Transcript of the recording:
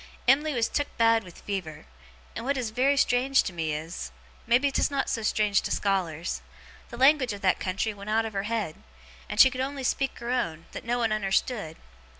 Em'ly was took bad with fever, and, what is very strange to me is, maybe 'tis not so strange to scholars, the language of that country went out of her head, and she could only speak her own, that no one unnerstood.